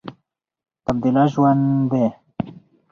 تبادله ژوند دی.